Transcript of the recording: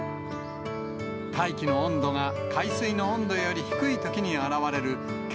大気の温度が海水の温度より低いときに現れる、け